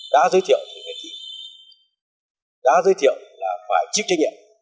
đã giới thiệu thì phải tin đã giới thiệu là phải chiếm trách nhiệm